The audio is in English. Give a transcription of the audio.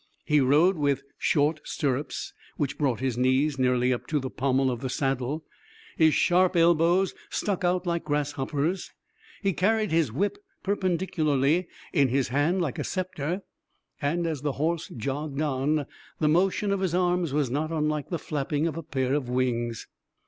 He rode with short stirrups, which brought his knees nearly up to the pommel of the saddle; his sharp elbows stuck out like grasshoppers'; he carried his whip perpendicularly in his hand, like a scepter, and as the horse jogged on, the motion of his arms was not unlike the flapping of a pair of wings.